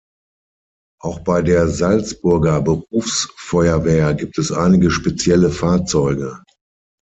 Auch bei der Salzburger Berufsfeuerwehr gibt es einige spezielle Fahrzeuge.